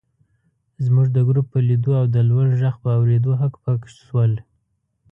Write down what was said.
زموږ د ګروپ په لیدو او د لوړ غږ په اورېدو هک پک شول.